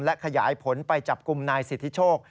และขยายผลไปจับกลุ่มนายสิทธิโชค